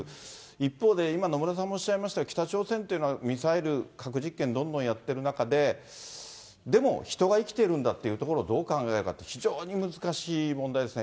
一方で、今、野村さんもおっしゃいましたが、北朝鮮というのは、ミサイル、核実験、どんどんやってる中で、でも、人が生きてるんだというところを、どう考えるか、非常に難しい問題ですね。